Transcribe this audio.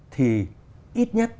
thì ít nhất